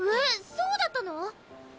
そうだったの？